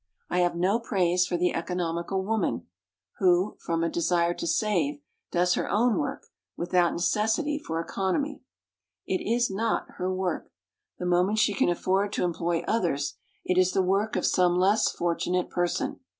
I have no praise for the economical woman, who, from a desire to save, does her own work without necessity for economy. It is not her work; the moment she can afford to employ others it is the work of some less fortunate person.